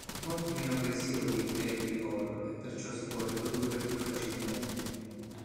È molto meno aggressivo di "E. bicolor" e perciò si può riprodurre più facilmente.